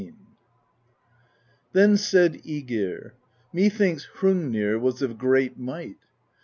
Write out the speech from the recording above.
Then said^gir: "Methinks Hrungnir was of great might.